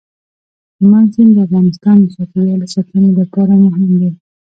هلمند سیند د افغانستان د چاپیریال ساتنې لپاره مهم دی.